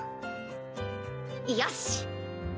よし！